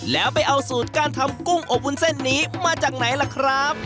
แล้วไปเอาสูตรการทำกุ้งอบวุ้นเส้นนี้มาจากไหนล่ะครับ